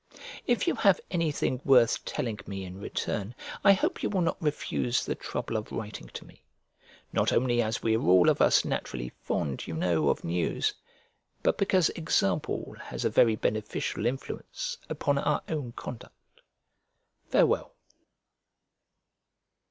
If you have anything worth telling me in return, I hope you will not refuse the trouble of writing to me: not only as we are all of us naturally fond, you know, of news, but because example has a very beneficial influence upon our own conduct. Farewell.